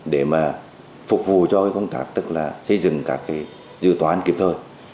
để mà phục vụ cho công tác tức là xây dựng các dự toán kịp thời